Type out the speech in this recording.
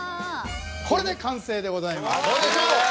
これで完成でございます！